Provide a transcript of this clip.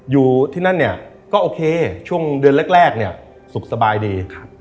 อยู่ที่นั่นเนี่ยก็โอเคช่วงเดือนแรกเนี่ยสุขสบายดี